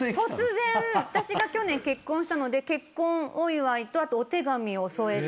私が去年結婚したので結婚お祝いとお手紙を添えて。